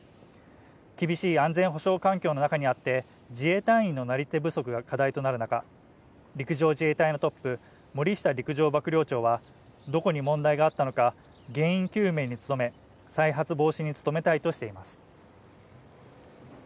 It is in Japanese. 厳しい安全保障環境の中にあって自衛隊員のなり手不足が課題となる中、陸上自衛隊のトップ、森下陸上幕僚長はどこに問題があったのか、原因究明に努め、再発防止に努めたいとしています。